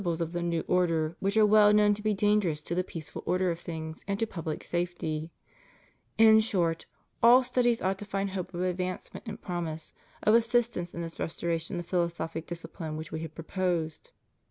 Tit. L 9. THE STUDY OF SCHOLASTIC PHILOSOPHY. 56 the new order which are well known to be dangerous to the peaceful order of things and to public safety. In short, all studies ought to find hope of advancement and promise of assistance in this restoration of philosophic discipline which We have proposed.